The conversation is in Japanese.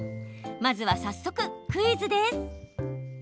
まずは早速、クイズです。